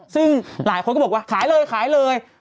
ซึ่งหลายคนก็บอกว่าขายเลยขายเลย